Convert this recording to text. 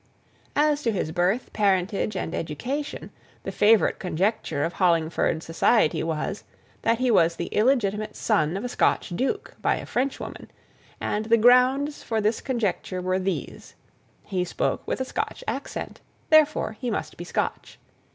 As to his birth, parentage, and education, the favourite conjecture of Hollingford society was, that he was the illegitimate son of a Scotch duke, by a Frenchwoman; and the grounds for this conjecture were these: He spoke with a Scotch accent; therefore, he must be Scotch.